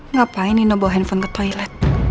ngapain nino bawa handphone ke toilet